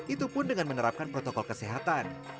itu pun dengan menerapkan protokol kesehatan